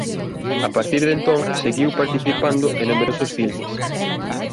A partir de entón seguiu participando en numerosos filmes.